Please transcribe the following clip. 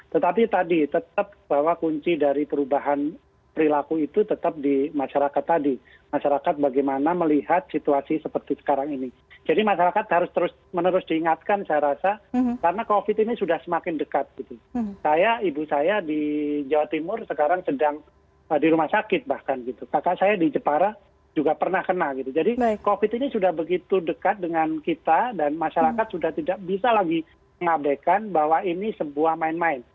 tetapi tadi tetap bahwa kunci dari perubahan perilaku itu tetap di masyarakat tadi masyarakat bagaimana melihat situasi seperti sekarang ini jadi masyarakat harus terus menerus diingatkan saya rasa karena covid ini sudah semakin dekat saya ibu saya di jawa timur sekarang sedang di rumah sakit bahkan gitu kakak saya di jepara juga pernah kena gitu jadi covid ini sudah begitu dekat dengan kita dan masyarakat sudah tidak bisa lagi mengabekan bahwa ini sebuah main main